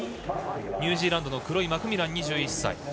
ニュージーランドのクロイ・マクミラン、２１歳。